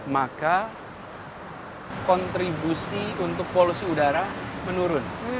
maka kontribusi untuk polusi udara menurun